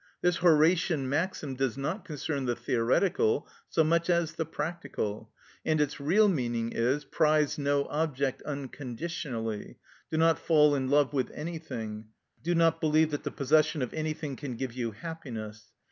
This Horatian maxim does not concern the theoretical so much as the practical, and its real meaning is: "Prize no object unconditionally. Do not fall in love with anything; do not believe that the possession of anything can give you happiness.